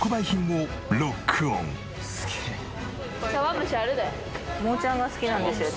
もーちゃんが好きなんですよ